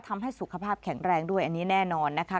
ทำให้สุขภาพแข็งแรงด้วยอันนี้แน่นอนนะคะ